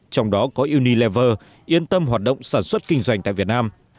trong đó có unilever yên tâm hoạt động sản xuất kinh doanh tại việt nam